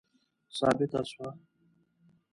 ثابته سوه.